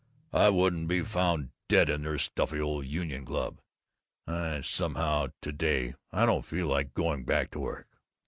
I wouldn't be found dead in their stuffy old Union Club! I Somehow, to day, I don't feel like going back to work.